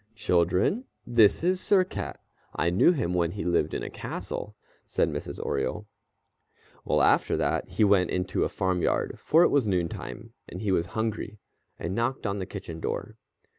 "Children, this is Sir Cat. I knew him when he lived in a castle," said Mrs. Oriole. Well, after that, he went in to the farmyard, for it was noontime, and he was hungry, and knocked on the kitchen door.